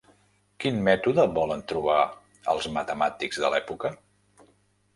Quin mètode volen trobar els matemàtics de l'època?